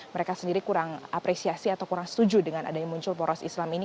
mereka sendiri kurang apresiasi atau kurang setuju dengan adanya muncul poros islam ini